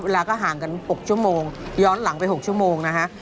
เวลาก็ห่างกัน๖ชั่วโมงย้อนหลังไป๖ชั่วโมงนะฮะ